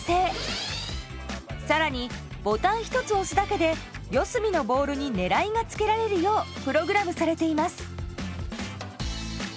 更にボタン１つ押すだけで四隅のボールに狙いがつけられるようプログラムされています。